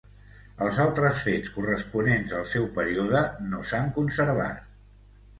Els altres fets corresponents al seu període no s’han conservat.